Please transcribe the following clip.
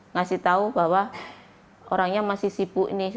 ngasih tahu bahwa orangnya masih sibuk nih